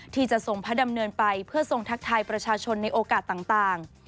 ที่จะทรงพระดำเนินไปเพื่อทรงทักทายประชาชนในโอกาสต่าง